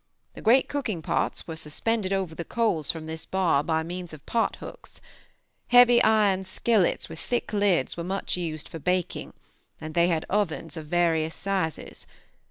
The great cooking pots were suspended over the coals from this bar by means of pot hooks. Heavy iron skillets with thick lids were much used for baking, and they had ovens of various sizes.